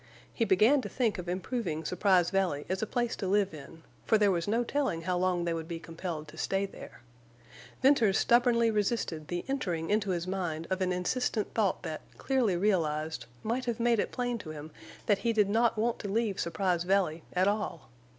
He began to think of improving Surprise Valley as a place to live in, for there was no telling how long they would be compelled to stay there. Venters stubbornly resisted the entering into his mind of an insistent thought that, clearly realized, might have made it plain to him that he did not want to leave Surprise Valley at all.